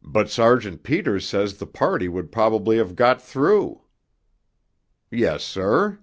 'But Sergeant Peters says the party would probably have got through?' 'Yes, sir.'